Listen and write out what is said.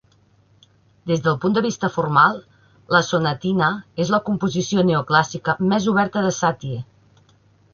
Des del punt de vista formal, la sonatina és la composició neoclàssica més oberta de Satie.